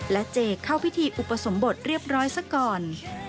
และเจเข้าพิธีอุปสมบทเรียบร้อยซะก่อน